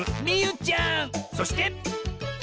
そして！